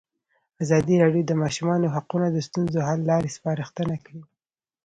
ازادي راډیو د د ماشومانو حقونه د ستونزو حل لارې سپارښتنې کړي.